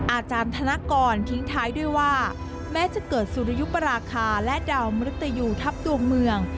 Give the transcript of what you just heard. อาจารย์ธนกรทิ้งท้ายด้วยว่าแม้จะเกิดสุริยุปราคาและดาวมริตยูทัพดวงเมือง